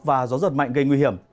và gió giật mạnh gây nguy hiểm